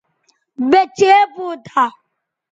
یے چئے پوتہ